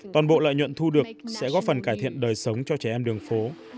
toàn bộ lợi nhuận thu được sẽ góp phần cải thiện đời sống cho trẻ em đường phố